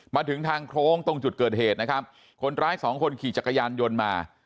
มาถึงทางโค้งตรงจุดเกิดเหตุนะครับคนร้ายสองคนขี่จักรยานยนต์มา